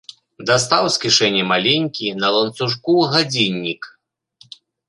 Дастаў з кішэні маленькі, на ланцужку, гадзіннік.